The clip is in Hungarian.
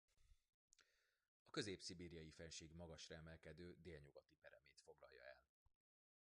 A Közép-szibériai-fennsík magasra emelkedő délnyugati peremét foglalja el.